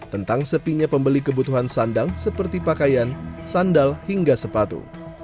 tentang sepinya pembeli kebutuhan sandang seperti pakaian sandal hingga sepatu